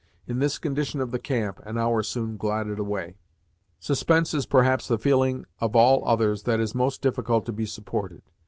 In this condition of the camp, an hour soon glided away. Suspense is perhaps the feeling of all others that is most difficult to be supported.